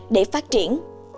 để phát triển